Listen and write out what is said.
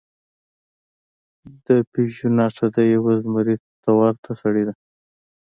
د پېژو نښه د یو زمري ته ورته سړي ده.